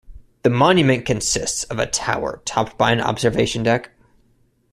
The monument consists of a tower topped by an observation deck.